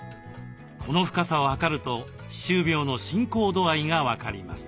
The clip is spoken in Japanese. この深さを測ると歯周病の進行度合いが分かります。